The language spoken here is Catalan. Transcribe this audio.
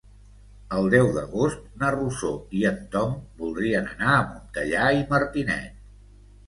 El deu d'agost na Rosó i en Tom voldrien anar a Montellà i Martinet.